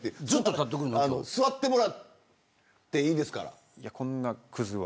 座ってもらっていいですから。